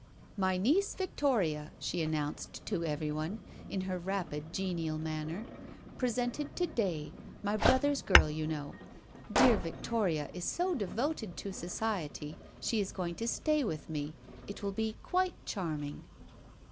"My niece Victoria," she announced to everyone, in her rapid, genial manner. " Pre sented to day ; my brother's girl, you know. Dear Victoria is so devoted to society ; she is going to stay with me. It will be quite charming."